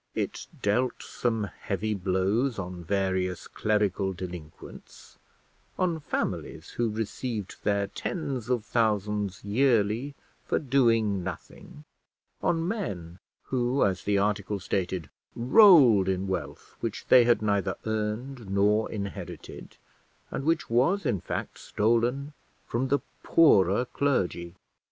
It dealt some heavy blows on various clerical delinquents; on families who received their tens of thousands yearly for doing nothing; on men who, as the article stated, rolled in wealth which they had neither earned nor inherited, and which was in fact stolen from the poorer clergy.